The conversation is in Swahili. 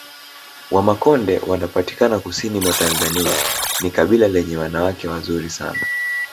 Wamakonde wanapatikana kusini mwa Tanzania ni kabila lenye wanawake wazuri sana